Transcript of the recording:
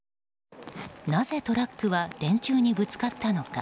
なぜトラックは電柱にぶつかったのか。